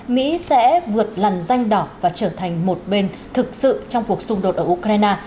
mỹ sẽ vượt lằn danh đỏ và trở thành một bên thực sự trong cuộc xung đột ở ukraine